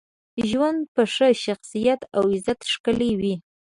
ژوند په ښه شخصیت او عزت ښکلی وي.